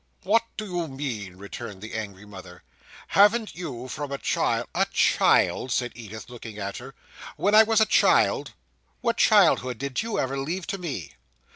"What do you mean?" returned the angry mother. "Haven't you from a child—" "A child!" said Edith, looking at her, "when was I a child? What childhood did you ever leave to me?